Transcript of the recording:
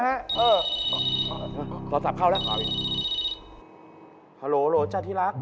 เออขอโทรศัพท์เข้าแล้วฮัลโหลเจ้าที่รัก